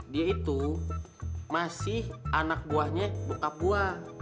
dia itu masih anak buahnya bokap gue